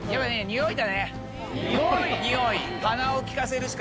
におい？